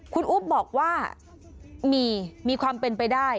คุณอุ๊บบอกว่ามีมีความเป็นไปได้